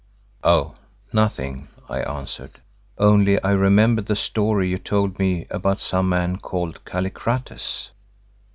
"Oh, nothing," I answered; "only I remembered the story you told me about some man called Kallikrates."